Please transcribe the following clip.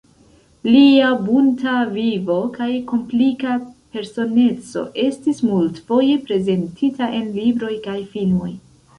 Lia bunta vivo kaj komplika personeco estis multfoje prezentita en libroj kaj filmoj.